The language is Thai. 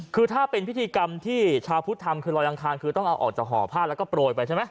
คือถ้าเป็นพิธีกรรมที่ชาวพุทธทำคือรอยอังคารคือต้องเอาออกจากห่อผ้าแล้วก็โปรยไปใช่ไหม